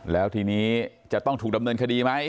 แล้วทีนี้จะต้องถูกดำเนินคดีไหม